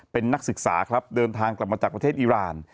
เป็นนักศึกษาครับเดินทางกลับมาจากประเทศอิราณ